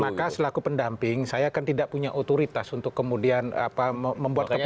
maka selaku pendamping saya kan tidak punya otoritas untuk kemudian membuat keputusan